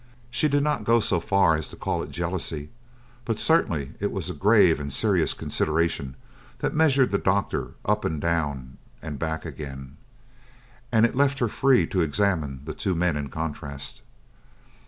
She did not go so far as to call it jealousy, but certainly it was a grave and serious consideration that measured the doctor up and down and back again; and it left her free to examine the two men in contrast.